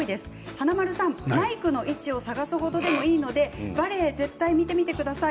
華丸さんマイクの位置を探す程でもいいのでバレエ絶対に見てください。